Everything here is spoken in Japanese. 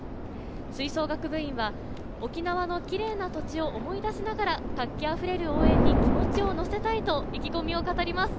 吹奏楽部員は沖縄のきれいな土地を思い出しながら活気あふれる応援に気持ちを乗せたいと意気込みを語ります。